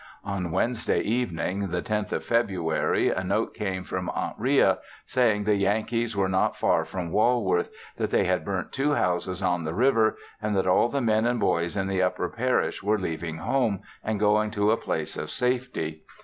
On Wed'y evening the 10th of Feb'y. a note came from Aunt Ria saying the Yankees were not far from Walworth, that they had burnt two houses on the river, and that all the men and boys in the upper Parish were leaving home, and going to a place of safety.